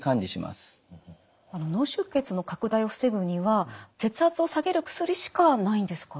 脳出血の拡大を防ぐには血圧を下げる薬しかないんですか？